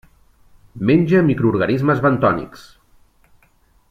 Menja microorganismes bentònics.